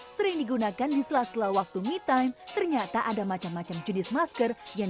sering digunakan di sela sela waktu me time ternyata ada macam macam jenis masker yang